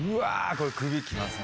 これ首きますね。